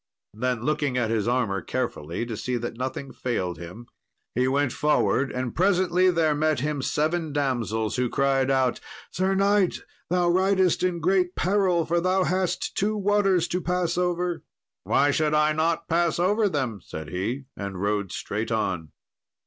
Then, looking at his armour carefully, to see that nothing failed him, he went forward, and presently there met him seven damsels, who cried out, "Sir knight, thou ridest in great peril, for thou hast two waters to pass over." "Why should I not pass over them?" said he, and rode straight on.